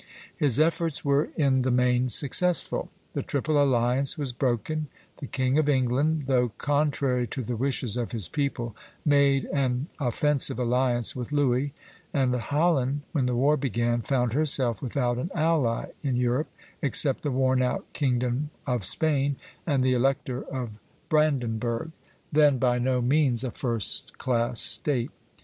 His efforts were in the main successful. The Triple Alliance was broken; the King of England, though contrary to the wishes of his people, made an offensive alliance with Louis; and Holland, when the war began, found herself without an ally in Europe, except the worn out kingdom of Spain and the Elector of Brandenburg, then by no means a first class State.